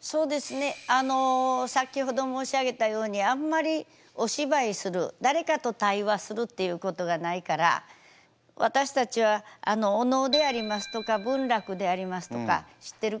そうですね先ほど申し上げたようにあんまりお芝居する誰かと対話するっていうことがないから私たちはお能でありますとか文楽でありますとか知ってるかな？